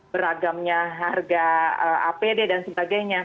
beragamnya harga apd dan sebagainya